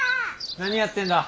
何やってんだ？